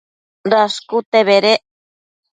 Dashcute bedec